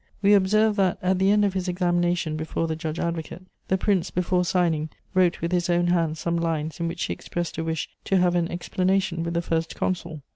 We observed that, at the end of his examination before the judge advocate, the Prince, before signing, _wrote with his own hand some lines in which he expressed a wish to have an explanation with the First Consul.